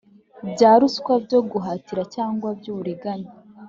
bya ruswa byo guhatira cyangwa by uburiganya